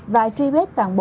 và tri bếp toàn bộ